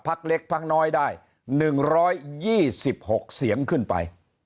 เล็กพักน้อยได้๑๒๖เสียงขึ้นไป